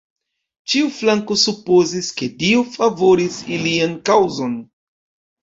Ĉiu flanko supozis, ke Dio favoris ilian kaŭzon.